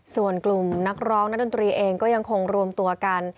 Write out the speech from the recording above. ส่วนกลุ่มนักร้องนักดนตรีเองก็ยังคงรวมตัวกัน